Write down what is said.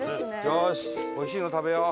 よしおいしいの食べよう。